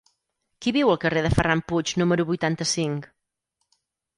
Qui viu al carrer de Ferran Puig número vuitanta-cinc?